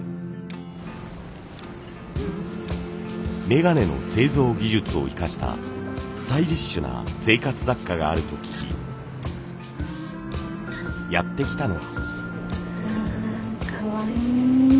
メガネの製造技術を生かしたスタイリッシュな生活雑貨があると聞きやって来たのは。